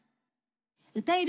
「歌える！